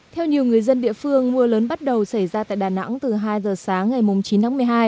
theo nhiều người dân địa phương mưa lớn bắt đầu xảy ra tại đà nẵng từ hai giờ sáng ngày chín tháng một mươi hai